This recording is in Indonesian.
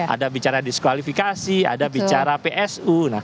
ada bicara diskualifikasi ada bicara psu